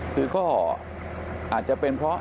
คือข้ออ่ออาจจะเป็นเพราะ